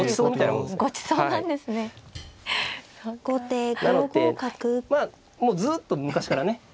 なのでまあもうずっと昔からね